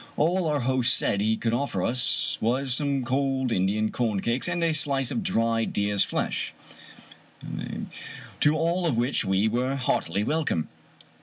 All our host said he could offer us was some cold Indian corn cakes and a slice of dried deer's flesh, to all of which we were heartily welcome.